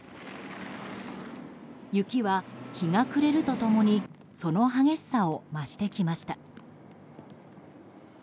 雪は日が暮れると共にその激しさを増してきました。